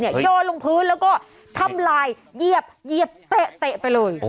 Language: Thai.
โยนลงพื้นแล้วก็ทำลายเหยียบเตะไปเลย